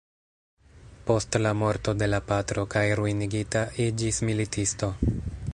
Post la morto de la patro kaj ruinigita, iĝis militisto.